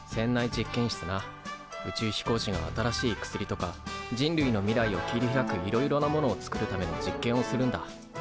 宇宙飛行士が新しい薬とか人類の未来を切り開くいろいろなものをつくるための実験をするんだ。